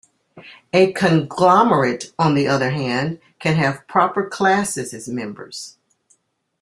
A conglomerate, on the other hand, can have proper classes as members.